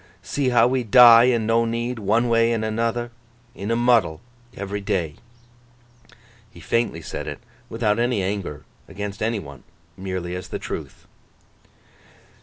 See how we die an' no need, one way an' another—in a muddle—every day!' He faintly said it, without any anger against any one. Merely as the truth.